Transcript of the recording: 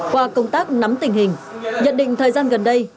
qua công tác nắm tình hình nhận định thời gian gần đây